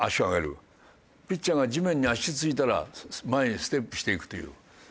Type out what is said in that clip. ピッチャーが地面に足着いたら前にステップしていくという。